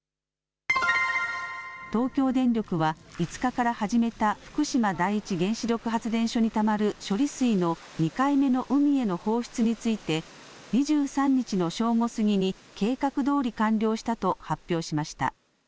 東京電力は５日から始めた福島第一原子力発電所にたまる処理水の２回目の海への放出について２３日の正午過ぎに計画どおり完了したと発表しました。